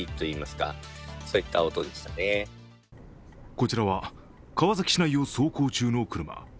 こちらは川崎市内を走行中の車。